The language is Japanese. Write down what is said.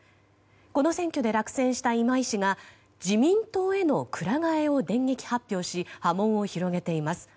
この選挙で落選した今井氏が自民党への鞍替えを電撃発表し波紋を広げています。